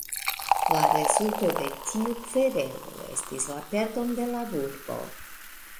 La rezulto de tiu kverelo estis la perdon de la burgo.